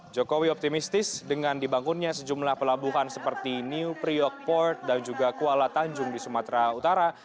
jokowi optimistis dengan dibangunnya sejumlah pelabuhan seperti new priok port dan juga kuala tanjung di sumatera utara